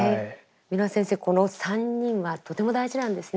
蓑輪先生この３人はとても大事なんですね。